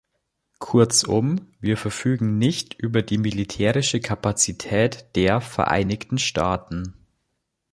Kurzum, wir verfügen nicht über die militärische Kapazität der Vereinigten Staaten.